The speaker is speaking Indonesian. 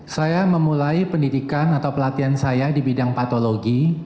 saya memulai pendidikan atau pelatihan saya di bidang patologi